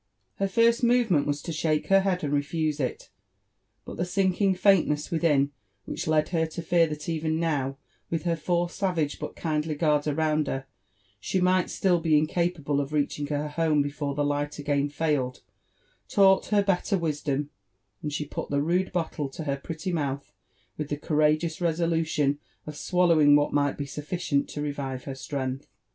^.Her first movemeoA was to shake her head and refuse it ; but the sinking faintness within, which led her to lear that even now, with her four savage but kindly guards around her, she might still beineapaMe of reaching her home before the light again failed, taught her better wisdom, and she put the rude bottle t^ her pretty mouth with the courageous resolution of swallowing what might be soSeient to revive * her strength.